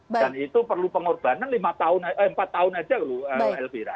dan itu perlu pengorbanan empat tahun aja loh elvira